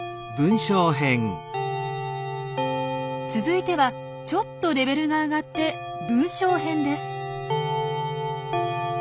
続いてはちょっとレベルが上がって文章編です。